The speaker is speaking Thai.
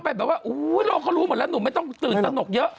แบบว่าโลกเขารู้หมดแล้วหนุ่มไม่ต้องตื่นตนกเยอะ